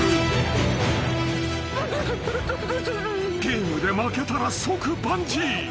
［ゲームで負けたら即バンジー］